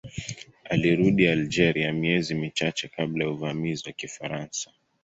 Alirudi Algeria miezi michache kabla ya uvamizi wa Kifaransa.